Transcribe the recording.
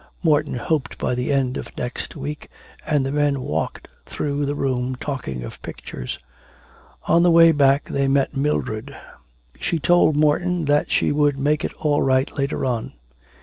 Morton hoped by the end of next week, and the men walked through the room talking of pictures... On the way back they met Mildred. She told Morton that she would make it all right later on.